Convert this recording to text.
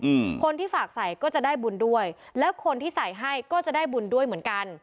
อืมคนที่ฝากใส่ก็จะได้บุญด้วยแล้วคนที่ใส่ให้ก็จะได้บุญด้วยเหมือนกัน